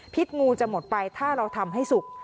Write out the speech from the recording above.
งูจะหมดไปถ้าเราทำให้สุก